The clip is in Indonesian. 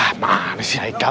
hah mana sih haikal